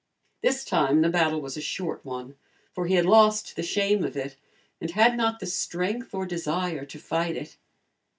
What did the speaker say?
This time the battle was a short one, for he had lost the shame of it, and had not the strength or desire to fight it.